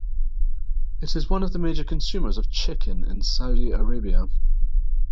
It is one of the major consumers of chicken in Saudi Arabia.